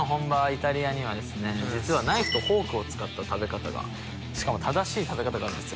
イタリアには実はナイフとフォークを使った正しい食べ方があるんですよ。